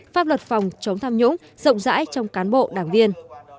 pháp luật phòng chống tham nhũng rộng rãi trong cán bộ đảng viên